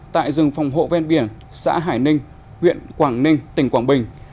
tại rừng phòng hộ ven biển xã hải ninh huyện quảng ninh tỉnh quảng bình